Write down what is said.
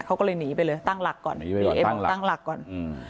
เขาก็เลยหนีไปเลยตั้งหลักก่อน